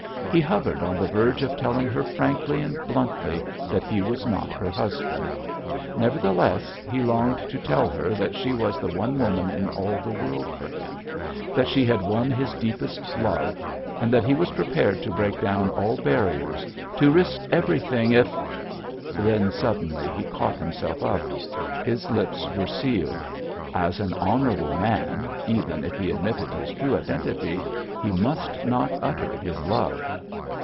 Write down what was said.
He hovered on the verge of telling her frankly and bluntly that he was not her husband. Nevertheless he longed to tell her that she was the one woman in all the world for him, that she had won his deepest love, and that he was prepared to break down all barriers, to risk everything if——. Then suddenly he caught himself up. His lips were sealed. As an honourable man, even if he admitted his true identity, he must not utter his love.